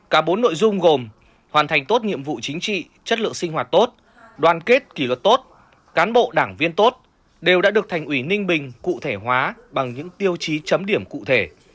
cả bốn nội dung gồm hoàn thành tốt nhiệm vụ chính trị chất lượng sinh hoạt tốt đoàn kết kỷ luật tốt cán bộ đảng viên tốt đều đã được thành ủy ninh bình cụ thể hóa bằng những tiêu chí chấm điểm cụ thể